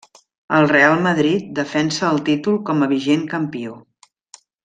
El Real Madrid defensa el títol com a vigent campió.